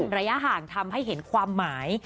ระยะห่างทำให้เห็นความหมาย